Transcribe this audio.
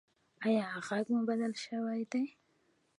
ایا غږ مو بدل شوی دی؟